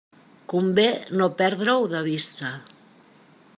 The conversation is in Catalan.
Convé no perdre-ho de vista.